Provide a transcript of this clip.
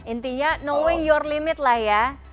intinya knowing your limit lah ya